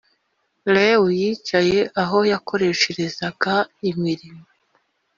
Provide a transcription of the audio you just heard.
Lewi yicaye aho yakoresherezaga imirimo